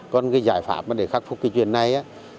còn giải pháp để khắc phục chuyện này